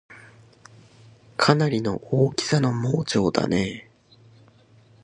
かなりの大きさの盲腸だねぇ